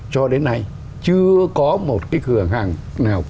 cho đến nay chưa có một cái cửa hàng nào